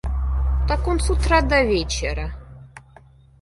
Так он с утра до вечера.